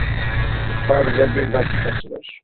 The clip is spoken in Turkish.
Sadece bir dakika sürer.